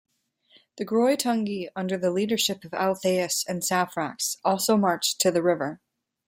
The Greuthingi under the leadership of Alatheus and Saphrax also marched to the river.